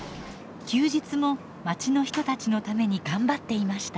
休日もまちの人たちのために頑張っていました。